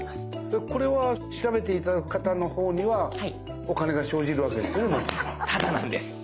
でこれは調べて頂く方のほうにはお金が生じるわけですね？